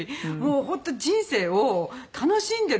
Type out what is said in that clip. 本当人生を楽しんでる